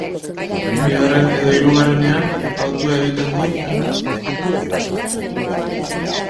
Bigarren edo hirugarrenean, hautua egiten dun...